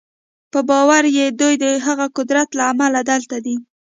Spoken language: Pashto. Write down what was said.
په باور یې دوی د هغه قدرت له امله دلته دي